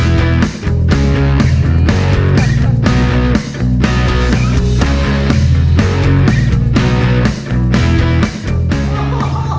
วินเหลือเกิน